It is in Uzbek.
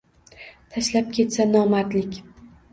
Tashlab ketsa nomardlik